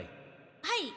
はい。